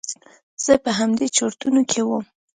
زه په همدې چرتونو کې وم.